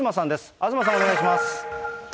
東さん、お願いします。